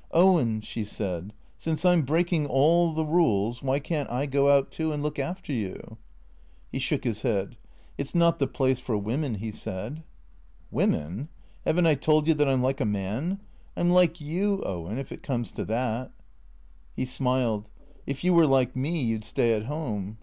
" Owen," she said, " since I 'm breaking all the rules, why can't I go out, too, and look after you ?" He shook his head. " It 's not the place for women," he said. " Women ? Have n't I told you that I 'm like a man ? I 'm like you, Owen, if it comes to that." He smiled. " If you were like me, you 'd stay at home.'"